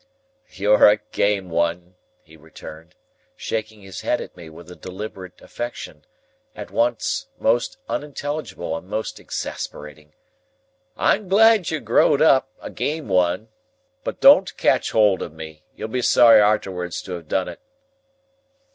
"You're a game one," he returned, shaking his head at me with a deliberate affection, at once most unintelligible and most exasperating; "I'm glad you've grow'd up, a game one! But don't catch hold of me. You'd be sorry arterwards to have done it."